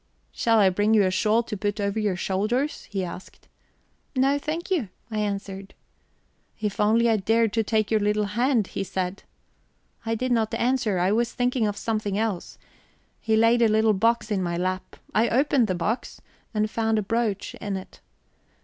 'Shall I bring you a shawl to put over your shoulders?' he asked. 'No, thank you,' I answered. 'If only I dared take your little hand,' he said. I did not answer I was thinking of something else. He laid a little box in my lap. I opened the box, and found a brooch in it.